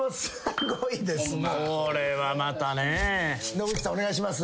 野口さんお願いします。